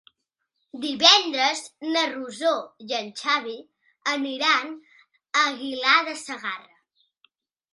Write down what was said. Divendres na Rosó i en Xavi aniran a Aguilar de Segarra.